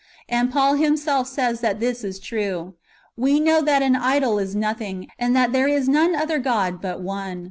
And Paul himself says that this is true :" We know that an idol is nothing, and that there is none other God but one.